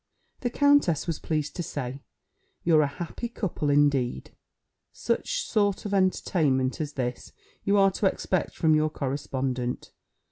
The countess was pleased to say, "You're a happy couple indeed!" Such sort of entertainment as this you are to expect from your correspondent.